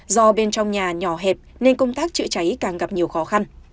do bên trong nhà nhỏ hẹp nên công tác chữa cháy càng gặp nhiều khó khăn